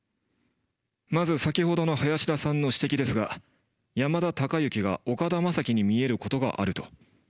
まず先ほどの林田さんの指摘ですが山田孝之が岡田将生に見えることがあると。